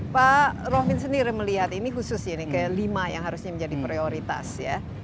pak rohmin sendiri melihat ini khusus ya ini kelima yang harusnya menjadi prioritas ya